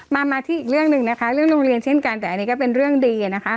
มามาที่อีกเรื่องหนึ่งนะคะเรื่องโรงเรียนเช่นกันแต่อันนี้ก็เป็นเรื่องดีนะคะ